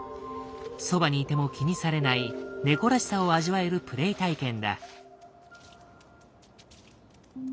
そばにいても気にされない猫らしさを味わえるプレイ体験だ。